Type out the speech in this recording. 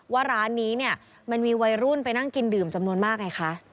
ว่าร้านนี้เนี่ยมันมีวัยรุ่นไปนั่งกินดื่มจำนวนมากไงคะ